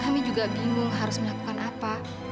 kami juga bingung harus melakukan apa